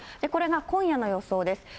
これが今夜の予想です。